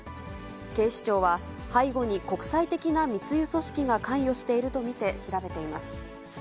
警視庁は、背後に国際的な密輸組織が関与していると見て調べています。